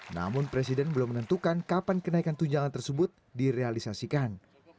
namun presiden belum menentukan kapan kenaikan tunjangan tersebut direalisasikan